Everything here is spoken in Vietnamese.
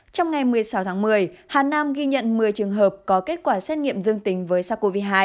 trong ngày một mươi sáu tháng một mươi hà nam ghi nhận một mươi trường hợp có kết quả xét nghiệm dương tính với sars cov hai